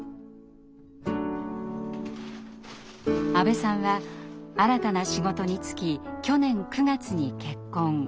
阿部さんは新たな仕事に就き去年９月に結婚。